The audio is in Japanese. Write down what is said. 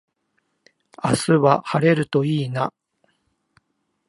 明日は晴れるといいな